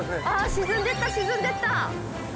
沈んでった沈んでった。